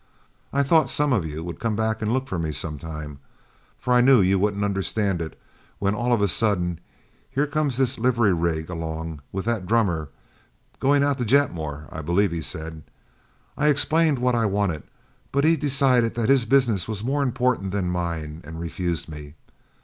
I thought some of you would come back and look for me sometime, for I knew you wouldn't understand it, when all of a sudden here comes this livery rig along with that drummer going out to Jetmore, I believe he said. I explained what I wanted, but he decided that his business was more important than mine, and refused me.